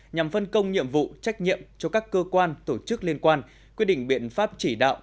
nhằm phân công nhiệm vụ trách nhiệm cho các cơ quan tổ chức liên quan quyết định biện pháp chỉ đạo